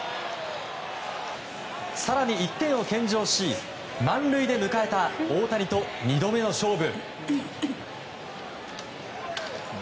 更に１点を献上し満塁で迎えた大谷と２度目の勝負。